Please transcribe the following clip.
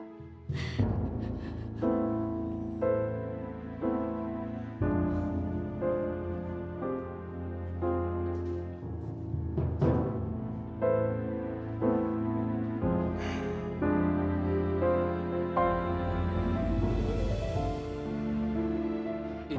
gue mau berpikir